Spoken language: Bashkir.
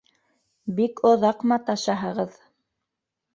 Бик оҙаҡ маташаһығыҙ.